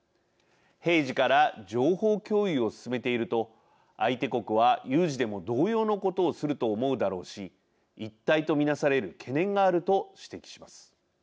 平時から情報共有を進めていると相手国は有事でも同様のことをすると思うだろうし一体と見なされる懸念があると指摘します。